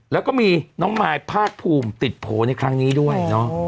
แล้วก็มีน้องมายภาคภูมิติดโผล่ในครั้งนี้ด้วย